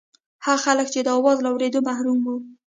هغه خلک چې د اواز له اورېدو محروم وو.